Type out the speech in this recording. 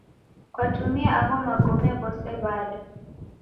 Kwatumie agho magome ghose w'ada?